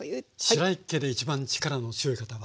しらい家で一番力の強い方は？